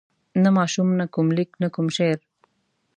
نه ماشوم نه کوم لیک نه کوم شعر.